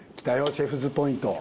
シェフズポイント。